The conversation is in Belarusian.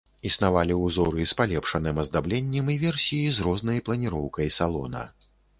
Існавалі ўзоры з палепшаным аздабленнем і версіі з рознай планіроўкай салона.